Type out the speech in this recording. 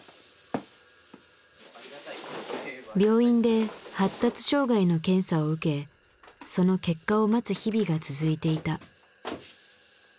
病院で発達障害の検査を受けその結果を待つ日々が続いていた。